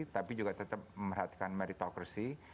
tapi juga tetap merhatikan meritocracy